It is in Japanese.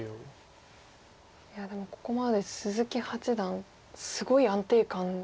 いやでもここまで鈴木八段すごい安定感。